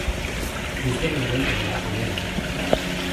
It was getting late in the afternoon.